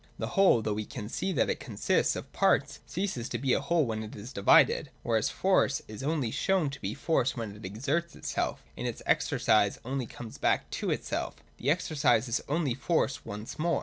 The whole, though we can see that it consists of parts, ceases to be a whole when it is divided : whereas force is only shown to be force when it exerts itself, and in its exercise only comes back to itself. The exercise is only force once more.